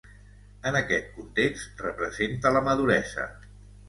En aquest context representa la maduresa.